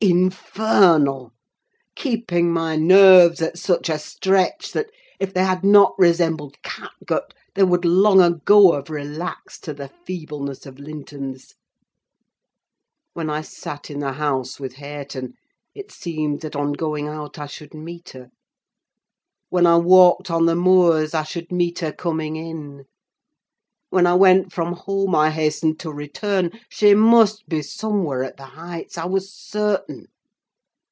Infernal! keeping my nerves at such a stretch that, if they had not resembled catgut, they would long ago have relaxed to the feebleness of Linton's. When I sat in the house with Hareton, it seemed that on going out I should meet her; when I walked on the moors I should meet her coming in. When I went from home I hastened to return; she must be somewhere at the Heights, I was certain!